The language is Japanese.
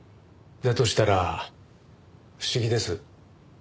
だとしたら不思議です。